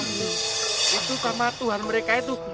itu sama tuhan mereka itu